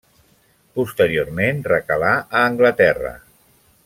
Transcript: Posteriorment recalà a Anglaterra.